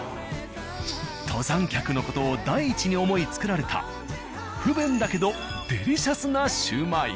登山客の事を第一に思い作られた不便だけどデリシャスなシュウマイ。